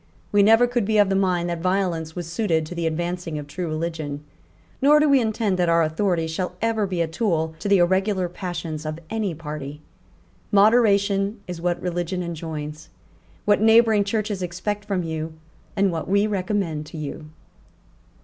We never could be of the mind that violence was suited to the advancing of true religion; nor do we intend that our authority shall ever be a tool to the irregular passions of any party. Moderation is what religion enjoins, what neighbouring Churches expect from you, and what we recommend to you."